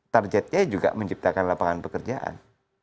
targetnya juga menciptakan lapangan pekerjaan